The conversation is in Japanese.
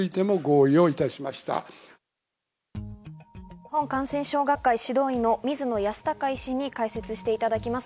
日本感染症学会・指導医の水野泰孝医師に解説していただきます。